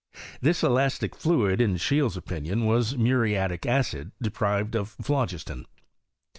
This elastic fluid, in Scheele's opinion, was muriatic acid de prived of phlogiston.